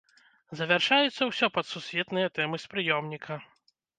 Завяршаецца ўсё пад сусветныя тэмы з прыёмніка.